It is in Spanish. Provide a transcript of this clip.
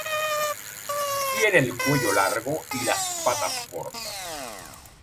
Tiene el cuello largo y las patas cortas.